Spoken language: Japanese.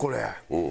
うん。